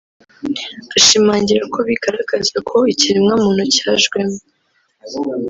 ashimangira ko bigaragaza ko ikiremwamuntu cyajwemo